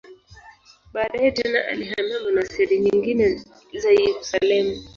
Baadaye tena alihamia monasteri nyingine za Yerusalemu.